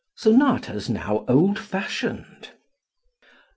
Sonatas Now Old fashioned.